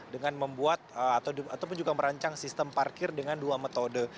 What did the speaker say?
dengan membuat ataupun juga merancang sistem parkir dengan dua metode